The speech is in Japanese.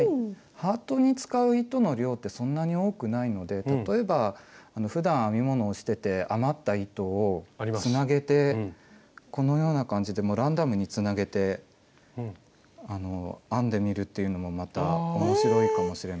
ハートに使う糸の量ってそんなに多くないので例えばふだん編み物をしてて余った糸をつなげてこのような感じでランダムにつなげて編んでみるというのもまた面白いかもしれません。